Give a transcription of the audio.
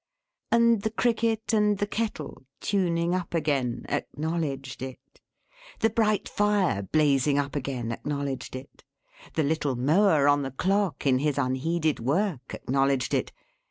And the Cricket and the Kettle, tuning up again, acknowledged it! The bright fire, blazing up again, acknowledged it! The little Mower on the clock, in his unheeded work, acknowledged it!